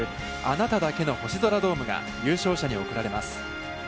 「あなただけの星空ドーム」が優勝者に贈られます。